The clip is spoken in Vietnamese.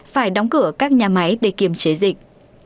phải đóng cửa các nhà máy để kiềm chế dịch